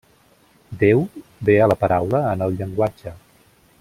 Déu ve a la paraula en el llenguatge.